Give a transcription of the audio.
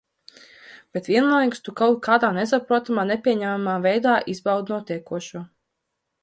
Bet vienlaikus tu kaut kādā nesaprotamā, nepieņemamā veidā izbaudi notiekošo.